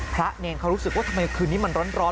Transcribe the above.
เนรเขารู้สึกว่าทำไมคืนนี้มันร้อน